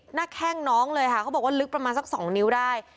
แข้งน้องเลยค่ะเขาบอกว่าลึกประมาณสัก๒นิ้วได้